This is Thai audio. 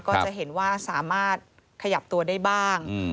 ก็จะเห็นว่าสามารถขยับตัวได้บ้าง